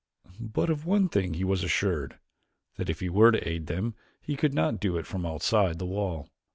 But of one thing he was assured: that if he were to aid them he could not do it from outside the wall.